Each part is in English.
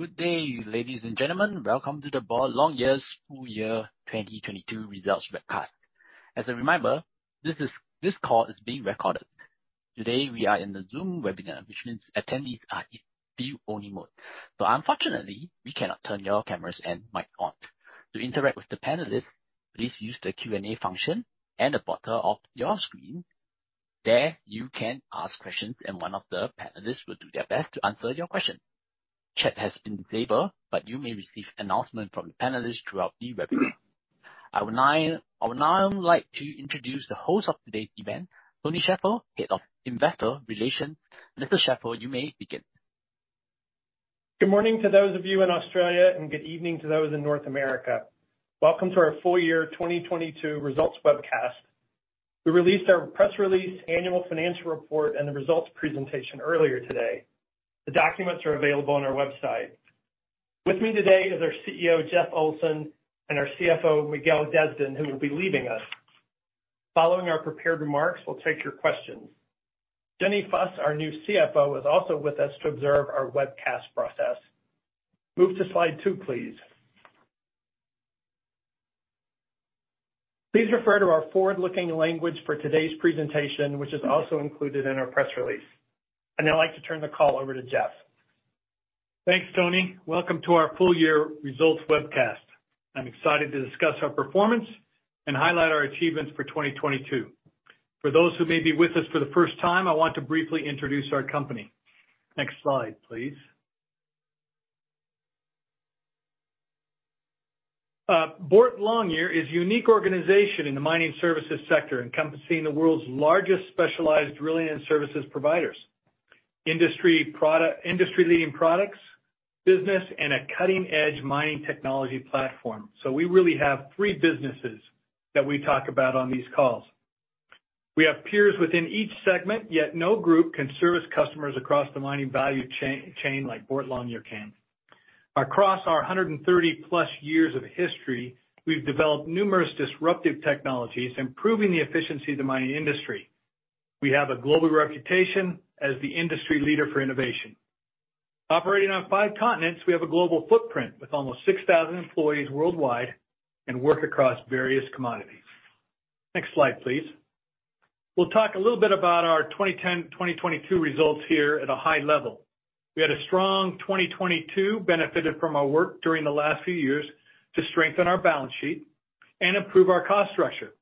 Good day, ladies and gentlemen. Welcome to the Boart Longyear full year 2022 results webcast. As a reminder, this call is being recorded. Today, we are in the Zoom webinar, which means attendees are in view only mode. Unfortunately, we cannot turn your cameras and mic on. To interact with the panelists, please use the Q&A function at the bottom of your screen. There, you can ask questions, and one of the panelists will do their best to answer your question. Chat has been disabled, but you may receive announcement from the panelists throughout the webinar. I would now like to introduce the host of today's event, Tony Shaffer, Head of Investor Relations. Mr. Shaffer, you may begin. Good morning to those of you in Australia, and good evening to those in North America. Welcome to our full year 2022 results webcast. We released our press release, annual financial report, and the results presentation earlier today. The documents are available on our website. With me today is our CEO, Jeff Olsen, and our CFO, Miguel Desdin, who will be leaving us. Following our prepared remarks, we'll take your questions. Jenny Fuss, our new CFO, is also with us to observe our webcast process. Move to slide 2, please. Please refer to our forward-looking language for today's presentation, which is also included in our press release. I'd now like to turn the call over to Jeff. Thanks, Tony. Welcome to our full year results webcast. I'm excited to discuss our performance and highlight our achievements for 2022. For those who may be with us for the first time, I want to briefly introduce our company. Next slide, please. Boart Longyear is a unique organization in the mining services sector, encompassing the world's largest specialized drilling and services providers, industry-leading products, business, and a cutting-edge mining technology platform. We really have three businesses that we talk about on these calls. We have peers within each segment, yet no group can service customers across the mining value chain like Boart Longyear can. Across our 130+ years of history, we've developed numerous disruptive technologies, improving the efficiency of the mining industry. We have a global reputation as the industry leader for innovation. Operating on five continents, we have a global footprint with almost 6,000 employees worldwide and work across various commodities. Next slide, please. We'll talk a little bit about our 2022 results here at a high level. We had a strong 2022, benefited from our work during the last few years to strengthen our balance sheet and improve our cost structure.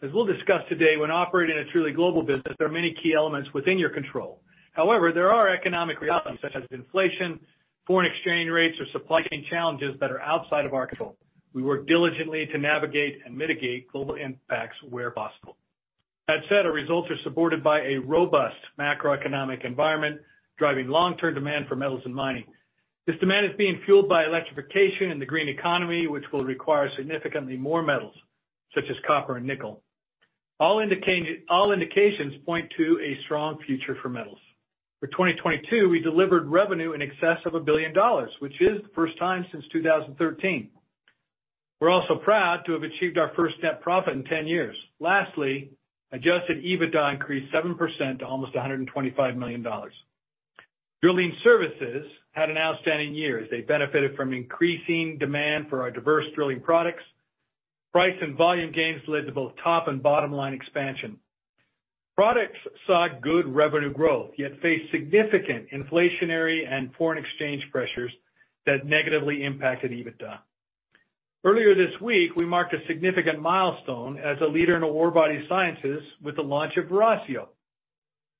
As we'll discuss today, when operating a truly global business, there are many key elements within your control. However, there are economic realities such as inflation, foreign exchange rates, or supply chain challenges that are outside of our control. We work diligently to navigate and mitigate global impacts where possible. That said, our results are supported by a robust macroeconomic environment, driving long-term demand for metals and mining. This demand is being fueled by electrification in the green economy, which will require significantly more metals, such as copper and nickel. All indications point to a strong future for metals. For 2022, we delivered revenue in excess of $1 billion, which is the first time since 2013. We're also proud to have achieved our first net profit in 10 years. Adjusted EBITDA increased 7% to almost $125 million. Drilling services had an outstanding year as they benefited from increasing demand for our diverse drilling products. Price and volume gains led to both top and bottom-line expansion. Products saw good revenue growth, yet faced significant inflationary and foreign exchange pressures that negatively impacted EBITDA. Earlier this week, we marked a significant milestone as a leader in orebody sciences with the launch of Veracio.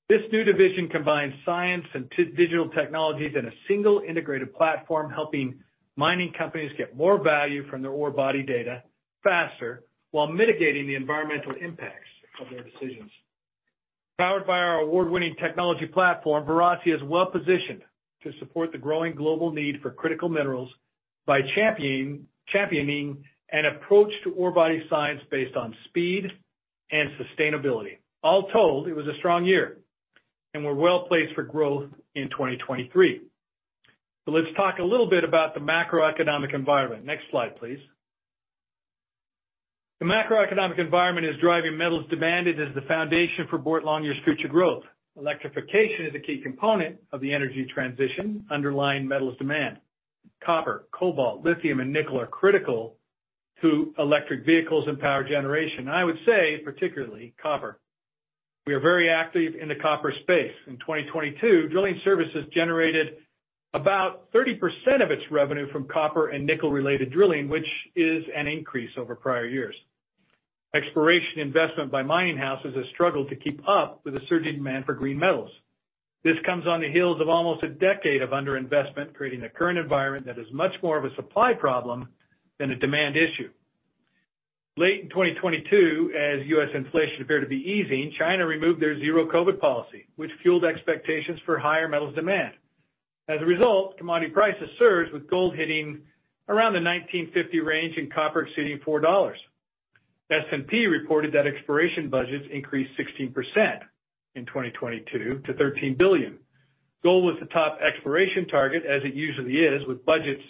This new division combines science and digital technologies in a single integrated platform, helping mining companies get more value from their orebody data faster while mitigating the environmental impacts of their decisions. Powered by our award-winning technology platform, Veracio is well-positioned to support the growing global need for critical minerals by championing an approach to orebody science based on speed and sustainability. All told, it was a strong year, and we're well-placed for growth in 2023. Let's talk a little bit about the macroeconomic environment. Next slide, please. The macroeconomic environment is driving metals demanded as the foundation for Boart Longyear's future growth. Electrification is a key component of the energy transition underlying metals demand. Copper, cobalt, lithium, and nickel are critical to electric vehicles and power generation. I would say particularly copper. We are very active in the copper space. In 2022, drilling services generated about 30% of its revenue from copper and nickel-related drilling, which is an increase over prior years. Exploration investment by mining houses has struggled to keep up with the surging demand for green metals. This comes on the heels of almost a decade of underinvestment, creating a current environment that is much more of a supply problem than a demand issue. Late in 2022, as US inflation appeared to be easing, China removed their zero COVID policy, which fueled expectations for higher metals demand. As a result, commodity prices surged, with gold hitting around the 1,950 range and copper exceeding $4. S&P reported that exploration budgets increased 16% in 2022 to $13 billion. Gold was the top exploration target, as it usually is, with budgets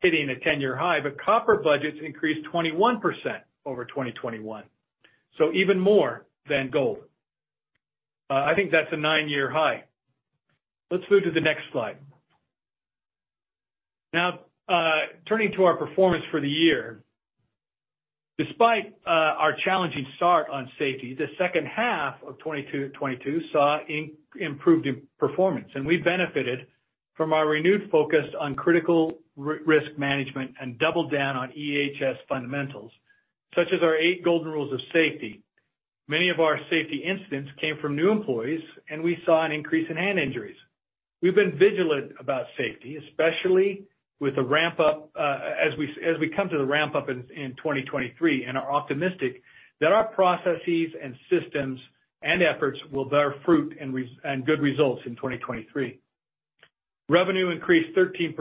hitting a 10-year high. Copper budgets increased 21% over 2021, even more than gold. I think that's a nine-year high. Let's move to the next slide. Turning to our performance for the year. Despite our challenging start on safety, the second half of 2022 saw improved performance, and we benefited from our renewed focus on critical risk management and doubled down on EHS fundamentals, such as our eight Golden Rules of Safety. Many of our safety incidents came from new employees, and we saw an increase in hand injuries. We've been vigilant about safety, especially with the ramp up as we come to the ramp up in 2023 and are optimistic that our processes and systems and efforts will bear fruit and good results in 2023. Revenue increased 13%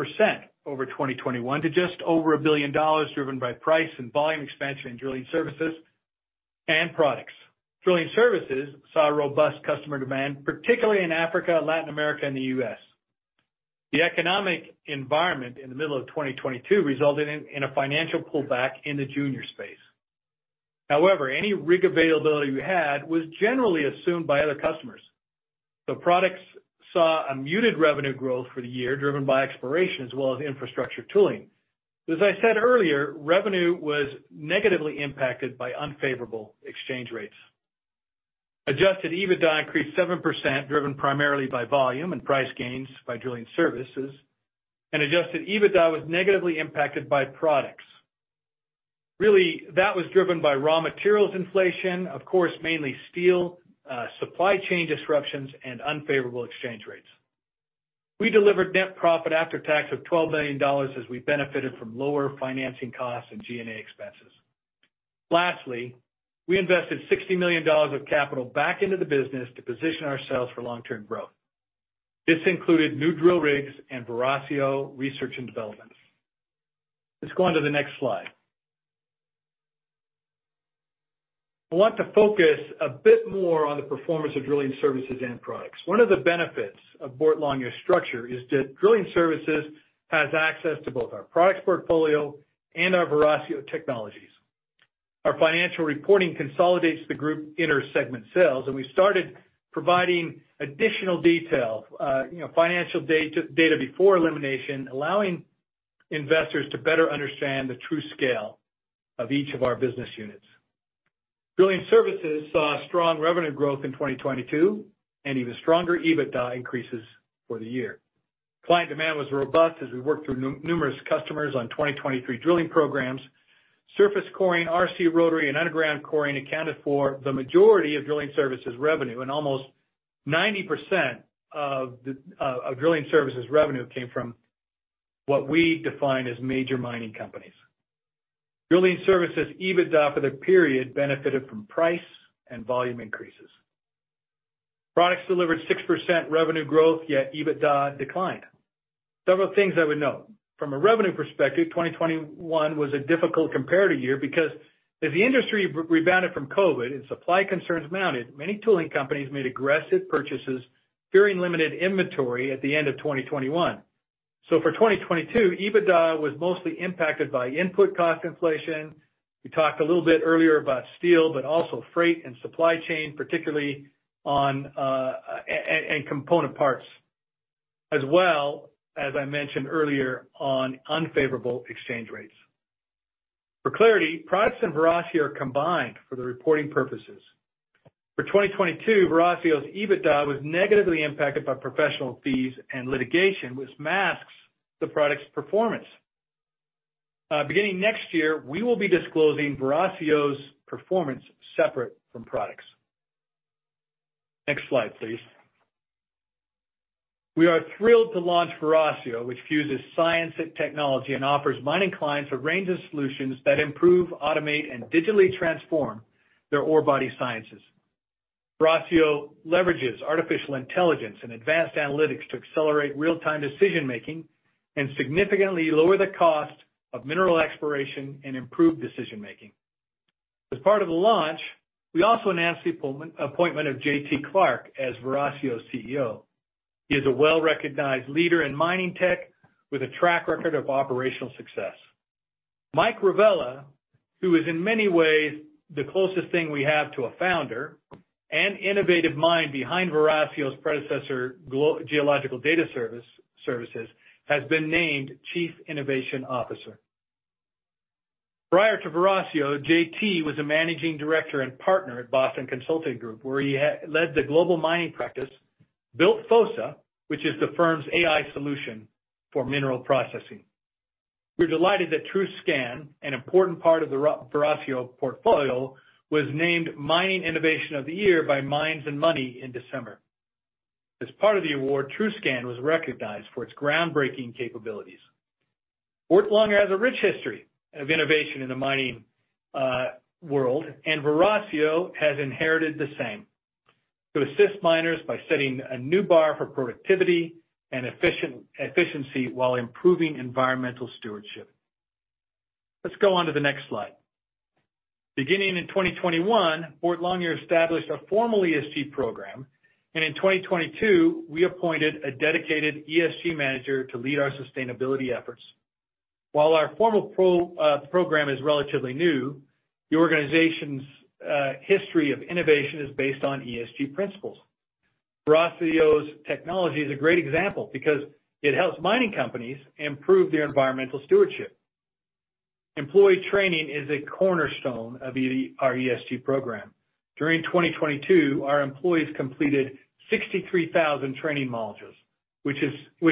over 2021 to just over $1 billion, driven by price and volume expansion in drilling services and products. Drilling services saw a robust customer demand, particularly in Africa, Latin America, and the U.S. The economic environment in the middle of 2022 resulted in a financial pullback in the junior space. Any rig availability we had was generally assumed by other customers. Products saw a muted revenue growth for the year, driven by exploration as well as infrastructure tooling. As I said earlier, revenue was negatively impacted by unfavorable exchange rates. Adjusted EBITDA increased 7%, driven primarily by volume and price gains by drilling services. Adjusted EBITDA was negatively impacted by products. Really, that was driven by raw materials inflation, of course, mainly steel, supply chain disruptions, and unfavorable exchange rates. We delivered net profit after tax of $12 million as we benefited from lower financing costs and G&A expenses. Lastly, we invested $60 million of capital back into the business to position ourselves for long-term growth. This included new drill rigs and Veracio research and developments. Let's go on to the next slide. I want to focus a bit more on the performance of drilling services and products. One of the benefits of Boart Longyear structure is that drilling services has access to both our products portfolio and our Veracio technologies. Our financial reporting consolidates the group inter-segment sales, and we started providing additional detail, you know, financial data before elimination, allowing investors to better understand the true scale of each of our business units. Drilling services saw a strong revenue growth in 2022 and even stronger EBITDA increases for the year. Client demand was robust as we worked through numerous customers on 2023 drilling programs. Surface coring, RC/rotary, and underground coring accounted for the majority of drilling services revenue and almost 90% of the drilling services revenue came from what we define as major mining companies. Drilling services EBITDA for the period benefited from price and volume increases. Products delivered 6% revenue growth, yet EBITDA declined. Several things I would note. From a revenue perspective, 2021 was a difficult comparative year because as the industry rebounded from COVID and supply concerns mounted, many tooling companies made aggressive purchases, fearing limited inventory at the end of 2021. For 2022, EBITDA was mostly impacted by input cost inflation. We talked a little bit earlier about steel, but also freight and supply chain, particularly on and component parts. As well, as I mentioned earlier, on unfavorable exchange rates. For clarity, products and Veracio are combined for the reporting purposes. For 2022, Veracio's EBITDA was negatively impacted by professional fees and litigation, which masks the product's performance. Beginning next year, we will be disclosing Veracio's performance separate from products. Next slide, please. We are thrilled to launch Veracio, which fuses science and technology and offers mining clients a range of solutions that improve, automate, and digitally transform their orebody sciences. Veracio leverages artificial intelligence and advanced analytics to accelerate real-time decision-making and significantly lower the cost of mineral exploration and improve decision-making. As part of the launch, we also announced the appointment of JT Clark as Veracio's CEO. He is a well-recognized leader in mining tech with a track record of operational success. Mike Ravella, who is in many ways the closest thing we have to a founder, an innovative mind behind Veracio's predecessor, Geological Data Services, has been named Chief Innovation Officer. Prior to Veracio, JT was a managing director and partner at Boston Consulting Group, where he led the global mining practice, built Phosa, which is the firm's AI solution for mineral processing. We're delighted that TruScan, an important part of the Veracio portfolio, was named Mining Innovation of the Year by Mines and Money in December. As part of the award, TruScan was recognized for its groundbreaking capabilities. Boart Longyear has a rich history of innovation in the mining world, and Veracio has inherited the same. To assist miners by setting a new bar for productivity and efficiency while improving environmental stewardship. Let's go on to the next slide. Beginning in 2021, Boart Longyear established a formal ESG program, and in 2022, we appointed a dedicated ESG manager to lead our sustainability efforts. While our formal program is relatively new, the organization's history of innovation is based on ESG principles. Veracio's technology is a great example because it helps mining companies improve their environmental stewardship. Employee training is a cornerstone of our ESG program. During 2022, our employees completed 63,000 training modules, which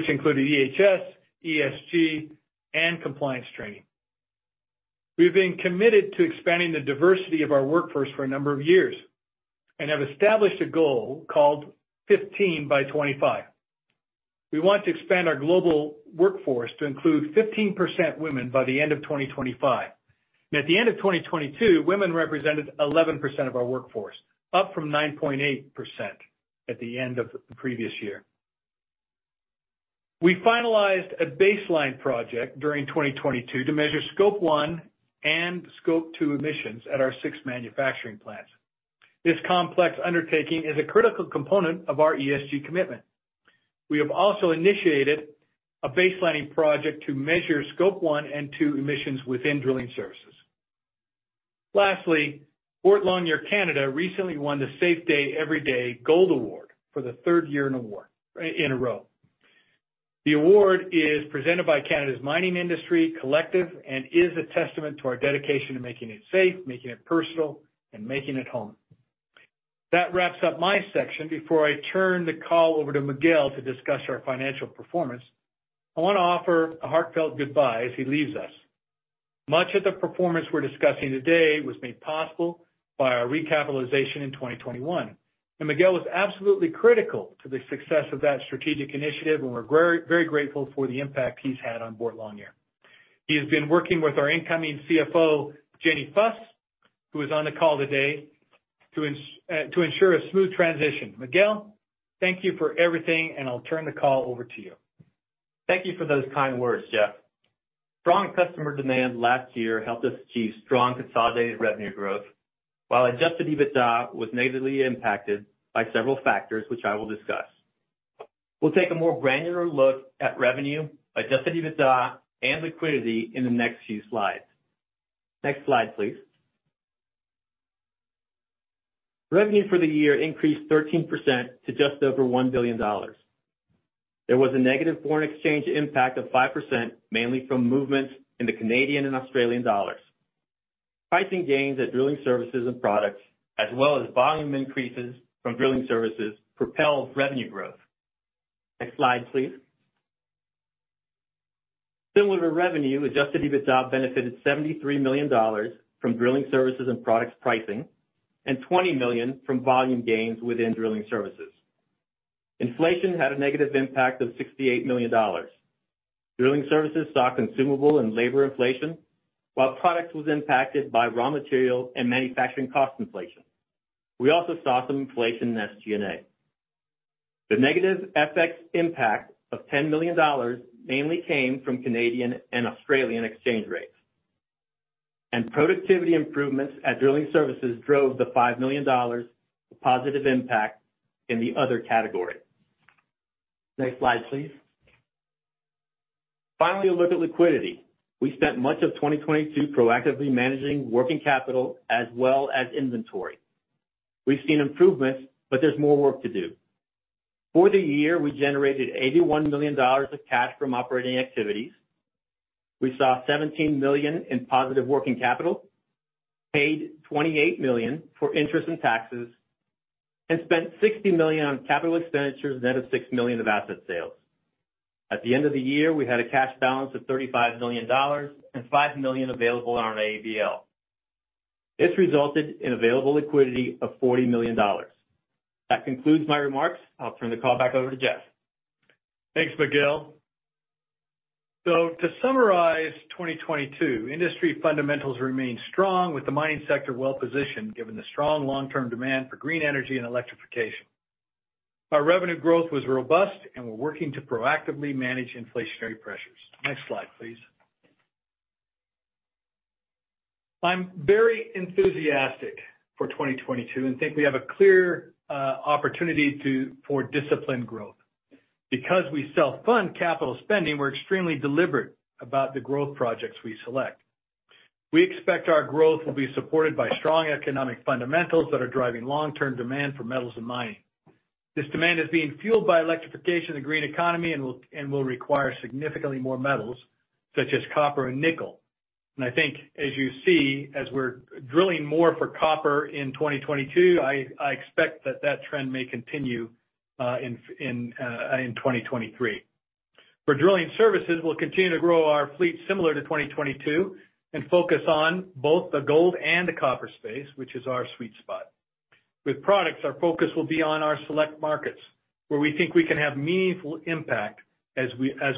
included EHS, ESG, and compliance training. We've been committed to expanding the diversity of our workforce for a number of years, and have established a goal called 15 by 25. We want to expand our global workforce to include 15% women by the end of 2025. At the end of 2022, women represented 11% of our workforce, up from 9.8% at the end of the previous year. We finalized a baseline project during 2022 to measure Scope 1 and Scope 2 emissions at our 6 manufacturing plants. This complex undertaking is a critical component of our ESG commitment. We have also initiated a baselining project to measure Scope 1 and 2 emissions within drilling services. Lastly, Boart Longyear Canada recently won the Safe Day Every Day Gold Award for the third year in a row. The award is presented by Canada's mining industry collective, and is a testament to our dedication to making it safe, making it personal, and making it home. That wraps up my section before I turn the call over to Miguel to discuss our financial performance. I wanna offer a heartfelt goodbye as he leaves us. Much of the performance we're discussing today was made possible by our recapitalization in 2021, and Miguel was absolutely critical to the success of that strategic initiative, and we're very, very grateful for the impact he's had on Boart Longyear. He has been working with our incoming CFO, Jenny Fuss, who is on the call today to ensure a smooth transition. Miguel, thank you for everything, and I'll turn the call over to you. Thank you for those kind words, Jeff. Strong customer demand last year helped us achieve strong consolidated revenue growth, while adjusted EBITDA was negatively impacted by several factors, which I will discuss. We'll take a more granular look at revenue, adjusted EBITDA and liquidity in the next few slides. Next slide, please. Revenue for the year increased 13% to just over $1 billion. There was a negative foreign exchange impact of 5%, mainly from movements in the Canadian and Australian dollars. Pricing gains at drilling services and products, as well as volume increases from drilling services propelled revenue growth. Next slide, please. Similar to revenue, adjusted EBITDA benefited $73 million from drilling services and products pricing, and $20 million from volume gains within drilling services. Inflation had a negative impact of $68 million. Drilling services saw consumable and labor inflation, while products was impacted by raw material and manufacturing cost inflation. We also saw some inflation in SG&A. The negative FX impact of $10 million mainly came from Canadian and Australian exchange rates. Productivity improvements at drilling services drove the $5 million positive impact in the other category. Next slide, please. Finally, a look at liquidity. We spent much of 2022 proactively managing working capital as well as inventory. We've seen improvements, but there's more work to do. For the year, we generated $81 million of cash from operating activities. We saw $17 million in positive working capital, paid $28 million for interest and taxes, and spent $60 million on capital expenditures, net of $6 million of asset sales. At the end of the year, we had a cash balance of $35 million and $5 million available on our ABL. This resulted in available liquidity of $40 million. That concludes my remarks. I'll turn the call back over to Jeff. Thanks, Miguel. To summarize 2022, industry fundamentals remained strong with the mining sector well-positioned given the strong long-term demand for green energy and electrification. Our revenue growth was robust, and we're working to proactively manage inflationary pressures. Next slide, please. I'm very enthusiastic for 2022 and think we have a clear opportunity for disciplined growth. Because we self-fund capital spending, we're extremely deliberate about the growth projects we select. We expect our growth will be supported by strong economic fundamentals that are driving long-term demand for metals and mining. This demand is being fueled by electrification of the green economy and will require significantly more metals such as copper and nickel. I think as you see, as we're drilling more for copper in 2022, I expect that trend may continue in 2023. For drilling services, we'll continue to grow our fleet similar to 2022 and focus on both the gold and the copper space, which is our sweet spot. With products, our focus will be on our select markets where we think we can have meaningful impact as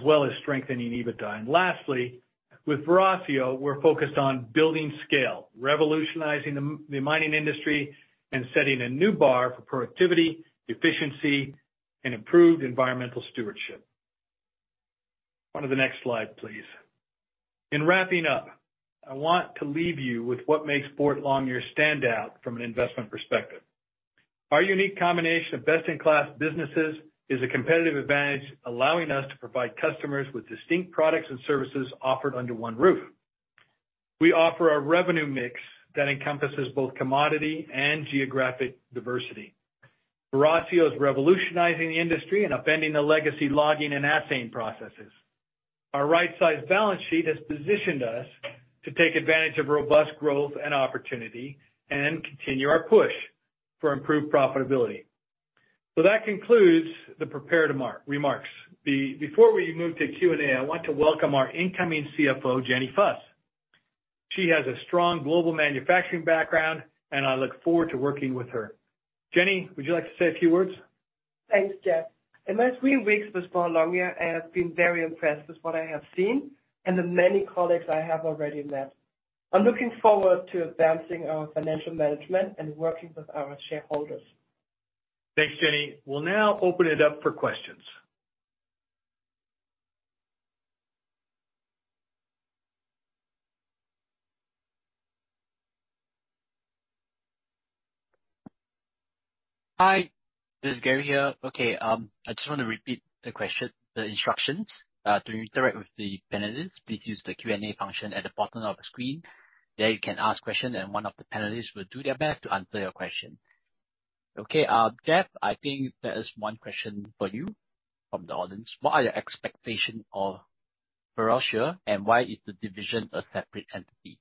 well as strengthening EBITDA. Lastly, with Veracio, we're focused on building scale, revolutionizing the mining industry and setting a new bar for productivity, efficiency, and improved environmental stewardship. On to the next slide, please. In wrapping up, I want to leave you with what makes Boart Longyear stand out from an investment perspective. Our unique combination of best in class businesses is a competitive advantage, allowing us to provide customers with distinct products and services offered under one roof. We offer a revenue mix that encompasses both commodity and geographic diversity. Veracio is revolutionizing the industry and upending the legacy logging and assaying processes. Our right-sized balance sheet has positioned us to take advantage of robust growth and opportunity and continue our push for improved profitability. That concludes the prepared remarks. Before we move to Q&A, I want to welcome our incoming CFO, Jenny Fuss. She has a strong global manufacturing background, and I look forward to working with her. Jenny, would you like to say a few words? Thanks, Jeff. In my three weeks with Boart Longyear, I have been very impressed with what I have seen and the many colleagues I have already met. I'm looking forward to advancing our financial management and working with our shareholders. Thanks, Jenny. We'll now open it up for questions. Hi, this is Gary here. I just want to repeat the question, the instructions to interact with the panelists. Please use the Q&A function at the bottom of the screen. There you can ask questions and one of the panelists will do their best to answer your question. Jeff, I think there is one question for you from the audience. What are your expectations of Veracio and why is the division a separate entity?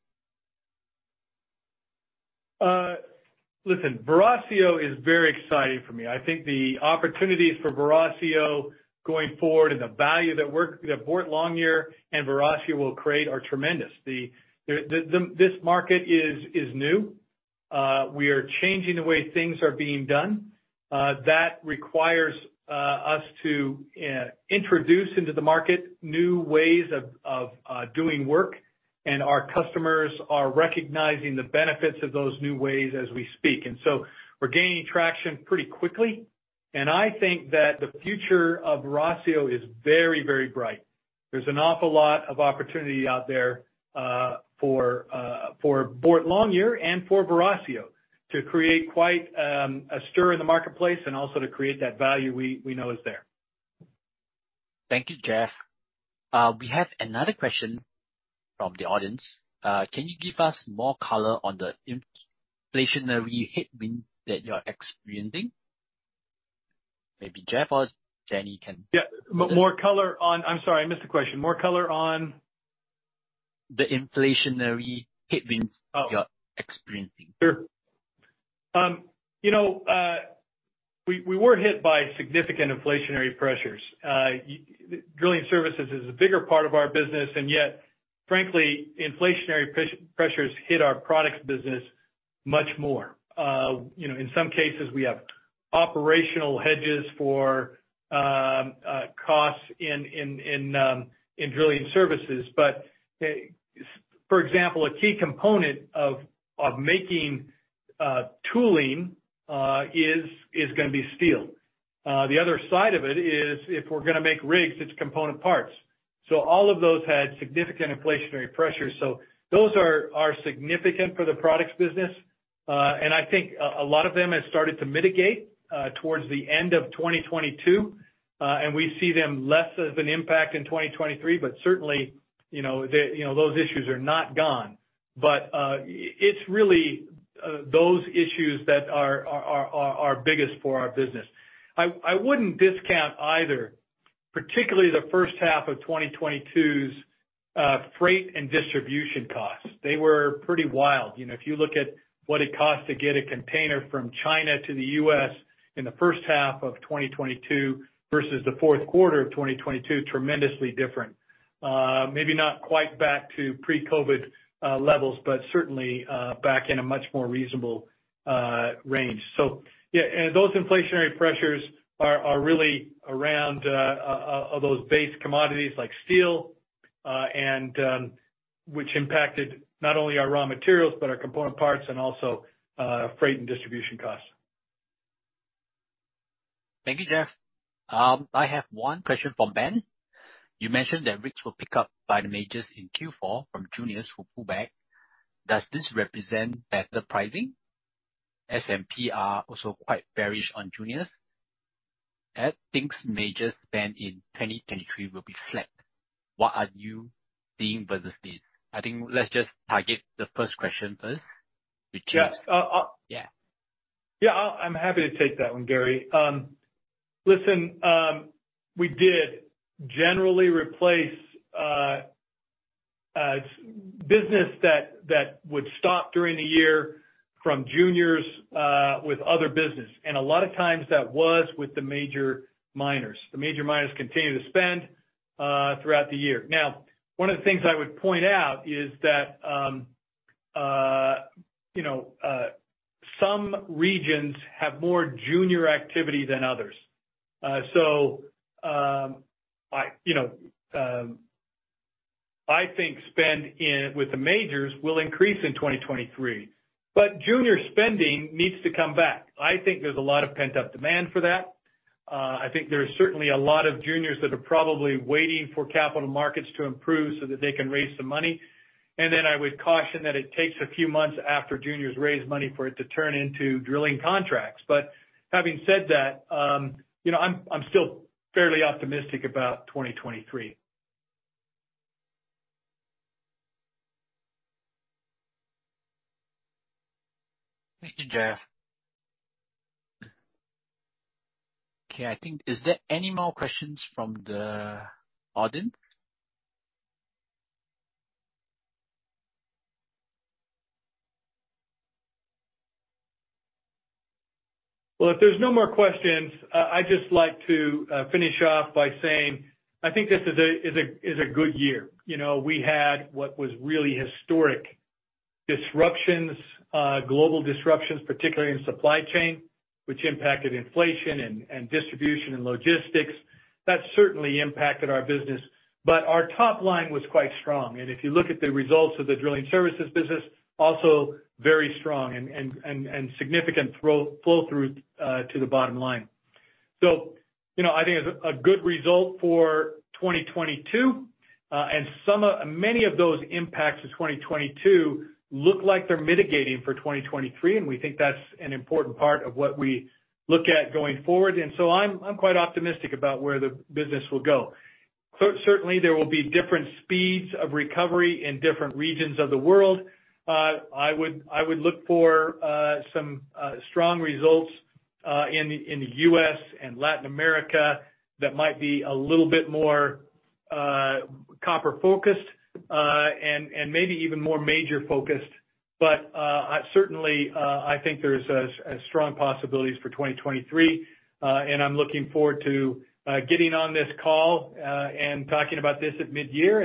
Listen, Veracio is very exciting for me. I think the opportunities for Veracio going forward and the value that Boart Longyear and Veracio will create are tremendous. The this market is new. We are changing the way things are being done. That requires us to introduce into the market new ways of doing work, and our customers are recognizing the benefits of those new ways as we speak. So we're gaining traction pretty quickly. I think that the future of Veracio is very, very bright. There's an awful lot of opportunity out there for Boart Longyear and for Veracio to create quite a stir in the marketplace and also to create that value we know is there. Thank you, Jeff. We have another question from the audience. Can you give us more color on the inflationary headwind that you're experiencing? Maybe Jeff or Jenny. Yeah. More color on... I'm sorry, I missed the question. More color on? The inflationary headwinds. Oh. you're experiencing. Sure. you know, we were hit by significant inflationary pressures. drilling services is a bigger part of our business, and yet frankly, inflationary pressures hit our products business much more. you know, in some cases we have operational hedges for costs in drilling services. for example, a key component of making tooling is gonna be steel. The other side of it is if we're gonna make rigs, it's component parts. All of those had significant inflationary pressures. Those are significant for the products business. I think a lot of them have started to mitigate towards the end of 2022. we see them less as an impact in 2023. Certainly, you know, the, you know, those issues are not gone. It's really those issues that are biggest for our business. I wouldn't discount either, particularly the first half of 2022's freight and distribution costs. They were pretty wild. You know, if you look at what it cost to get a container from China to the U.S. in the first half of 2022 versus the fourth quarter of 2022, tremendously different. Maybe not quite back to pre-COVID levels, but certainly back in a much more reasonable range. Yeah, those inflationary pressures are really around those base commodities like steel and which impacted not only our raw materials but our component parts and also freight and distribution costs. Thank you, Jeff. I have one question from Ben. You mentioned that rigs will pick up by the majors in Q4 from juniors who pull back. Does this represent better pricing? S&P are also quite bearish on juniors. Ed thinks major spend in 2023 will be flat. What are you seeing versus this? I think let's just target the first question first. Yeah. Yeah. Yeah, I'm happy to take that one, Gary. Listen, we did generally replace business that would stop during the year from juniors with other business. A lot of times that was with the major miners. The major miners continued to spend throughout the year. One of the things I would point out is that, you know, some regions have more junior activity than others. I think spend with the majors will increase in 2023, but junior spending needs to come back. I think there's a lot of pent-up demand for that. I think there's certainly a lot of juniors that are probably waiting for capital markets to improve so that they can raise some money. I would caution that it takes a few months after juniors raise money for it to turn into drilling contracts. Having said that, you know, I'm still fairly optimistic about 2023. Thank you, Jeff. Okay, I think, is there any more questions from the audience? If there's no more questions, I'd just like to finish off by saying I think this is a good year. You know, we had what was really historic disruptions, global disruptions, particularly in supply chain, which impacted inflation and distribution and logistics. That certainly impacted our business. Our top line was quite strong. If you look at the results of the drilling services business, also very strong and significant flow through to the bottom line. You know, I think it's a good result for 2022. Many of those impacts of 2022 look like they're mitigating for 2023, and we think that's an important part of what we look at going forward. I'm quite optimistic about where the business will go. Certainly, there will be different speeds of recovery in different regions of the world. I would look for some strong results in the US and Latin America that might be a little bit more copper-focused and maybe even more major-focused. Certainly, I think there's a strong possibilities for 2023. I'm looking forward to getting on this call and talking about this at midyear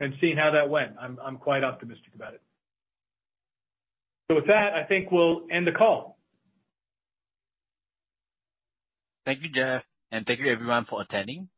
and seeing how that went. I'm quite optimistic about it. With that, I think we'll end the call. Thank you, Jeff, and thank you everyone for attending.